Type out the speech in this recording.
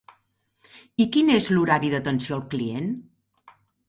I quin és l'horari d'atenció al client?